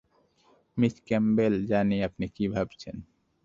Miss Campbell, জানি, আপনি কী ভাবছেন।